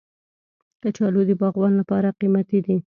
کچالو د باغوان لپاره قیمتي دی